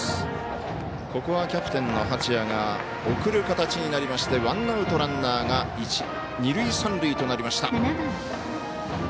キャプテンの八谷が送る形になりましてワンアウト、ランナーが二塁三塁となりました。